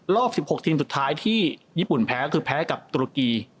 รอบ๑๖ทีมสุดท้ายที่ญี่ปุ่นแพ้คือแพ้กับตุรกี